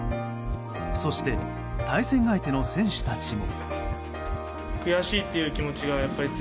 そして対戦相手の選手たちも。